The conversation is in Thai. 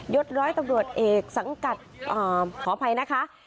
ศร้อยตำรวจเอกสังกัดขออภัยนะคะ